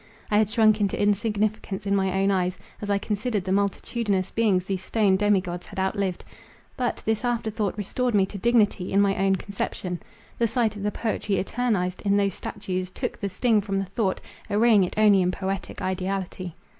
I had shrunk into insignificance in my own eyes, as I considered the multitudinous beings these stone demigods had outlived, but this after thought restored me to dignity in my own conception. The sight of the poetry eternized in these statues, took the sting from the thought, arraying it only in poetic ideality.